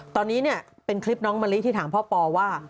ตอนนี้เนี่ยเป็นคลิปน้องมะลิที่ถามพ่อปอว่า